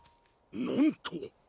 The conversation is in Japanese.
なんと。